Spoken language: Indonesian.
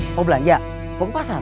mau belanja mau ke pasar